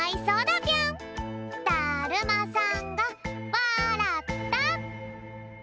だるまさんがわらった！